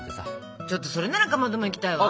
ちょっとそれならかまども行きたいわ！